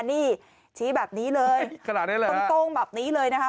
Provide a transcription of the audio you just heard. นี่ชี้แบบนี้เลยขนาดนี้เลยโต้งแบบนี้เลยนะคะ